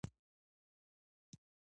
خوږه د بدن د انرژۍ لپاره مهمه ده.